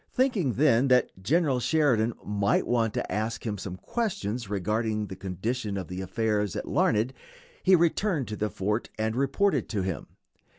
Thinking then that General Sheridan might want to ask him some questions regarding the condition of affairs at Larned, he returned to the fort and reported to him.